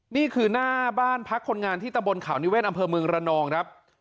นี่คือหน้าบ้านพักคนงานที่ตำบลข่าวนิเวศอำเภอเมืองระนองครับ